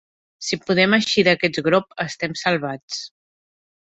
Si podem eixir d'aquest grop, estem salvats.